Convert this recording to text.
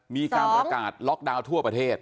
มีการประกาศล็อกดาวน์ทั่วประเทศ